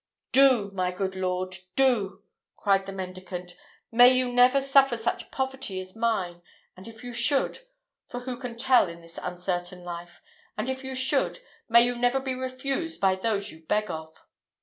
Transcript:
"Do! my good lord, do!" cried the mendicant; "may you never suffer such poverty as mine; and if you should for who can tell in this uncertain life and if you should, may you never be refused by those you beg of!"